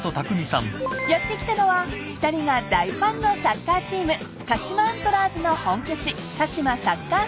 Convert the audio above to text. ［やって来たのは２人が大ファンのサッカーチーム鹿島アントラーズの本拠地］